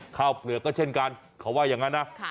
เปลือกก็เช่นกันเขาว่าอย่างนั้นนะ